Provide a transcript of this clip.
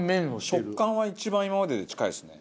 食感は一番今までで近いですね。